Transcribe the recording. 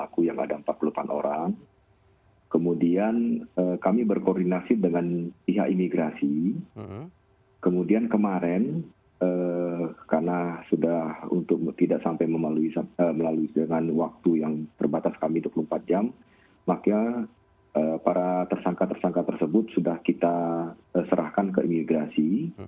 kemudian kemarin karena sudah untuk tidak sampai melalui dengan waktu yang berbatas kami dua puluh empat jam makanya para tersangka tersangka tersebut sudah kita serahkan ke imigrasi